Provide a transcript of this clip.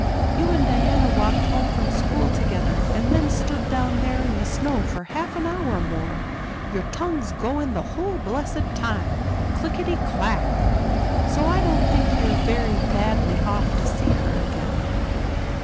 "You and Diana walked home from school together and then stood down there in the snow for half an hour more, your tongues going the whole blessed time, clickety clack. So I don't think you're very badly off to see her again."